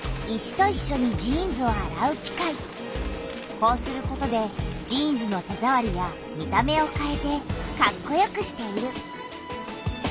こうすることでジーンズの手ざわりや見た目をかえてかっこよくしている。